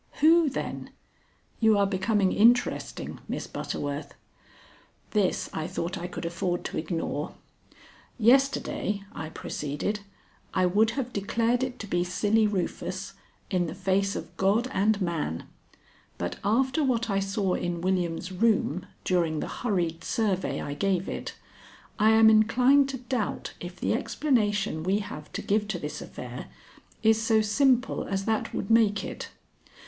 "Who, then? You are becoming interesting, Miss Butterworth." This I thought I could afford to ignore. "Yesterday," I proceeded, "I would have declared it to be Silly Rufus, in the face of God and man, but after what I saw in William's room during the hurried survey I gave it, I am inclined to doubt if the explanation we have to give to this affair is so simple as that would make it.